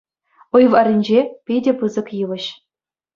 Уй варринче — питӗ пысӑк йывӑҫ.